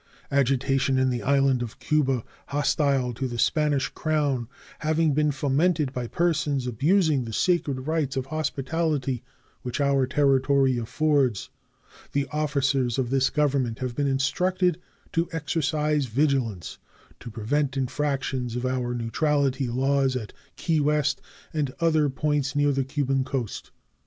Agitation in the island of Cuba hostile to the Spanish Crown having been fomented by persons abusing the sacred rights of hospitality which our territory affords, the officers of this Government have been instructed to exercise vigilance to prevent infractions of our neutrality laws at Key West and at other points near the Cuban coast.